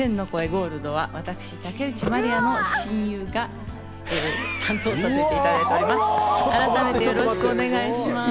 ゴールドは私、竹内まりやの親友が担当させていただいています。